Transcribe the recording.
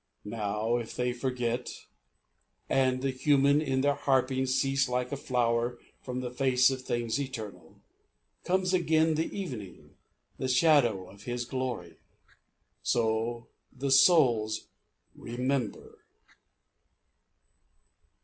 Now if they forget, and the human in their harping Cease like a flower from the face of things eternal, Comes again the evening, the shadow of His glory. So the souls remember.